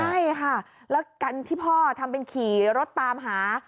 ใช่ค่ะแล้วกันที่พ่อทำเป็นขี่รถตามหา